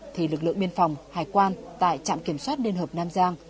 thì lực lượng biên phòng hải quan tại trạm kiểm soát liên hợp nam giang